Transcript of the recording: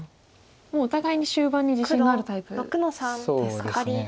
もうお互いに終盤に自信があるタイプですか。